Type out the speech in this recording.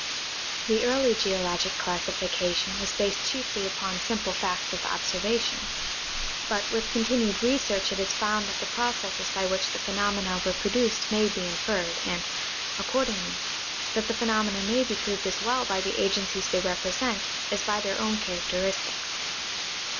The early geologic classification was based chiefly upon simple facts of observation ; but with continued research it is found that the processes by which the phenomena were produced may be inferred, and, accordingly, that the phenomena may be grouped as well by the agencies they represent as by their own character , i sties.